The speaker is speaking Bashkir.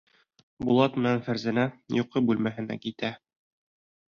Булат менән Фәрзәнә йоҡо бүлмәһенә китә.